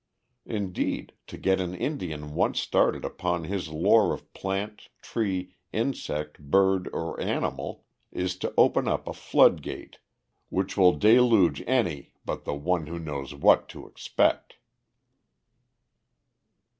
Indeed, to get an Indian once started upon his lore of plant, tree, insect, bird, or animal, is to open up a flood gate which will deluge any but the one who knows what to expect.